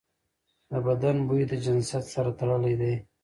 د بدن بوی د جنسیت سره تړلی دی.